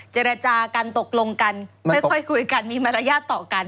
เจรจากันตกลงกันค่อยคุยกันมีมารยาทต่อกัน